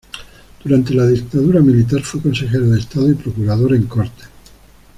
Durante la dictadura militar fue consejero de Estado y procurador en Cortes.